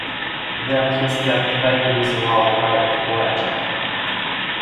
Then he stepped back with a low cry of pleasure.